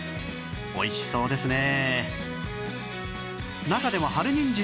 おいしそうですね